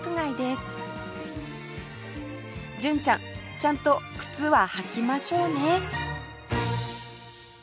純ちゃんちゃんと靴は履きましょうね